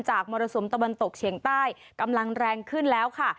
มรสุมตะวันตกเฉียงใต้กำลังแรงขึ้นแล้วค่ะ